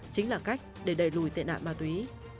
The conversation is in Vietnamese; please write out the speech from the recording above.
chính là cách để đẩy lùi tệ nạn ma túy